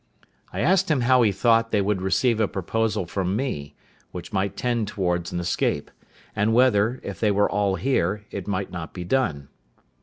I asked him how he thought they would receive a proposal from me, which might tend towards an escape; and whether, if they were all here, it might not be done.